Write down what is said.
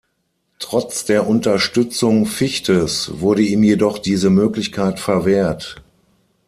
Trotz der Unterstützung Fichtes wurde ihm jedoch diese Möglichkeit verwehrt.